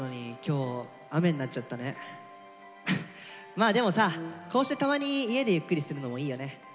まあでもさこうしてたまに家でゆっくりするのもいいよね。